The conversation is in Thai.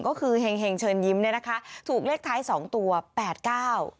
ก็คือเห็งเห็งเชิญยิ้มเนี่ยนะคะถูกเลขท้ายสองตัวแปดเก้า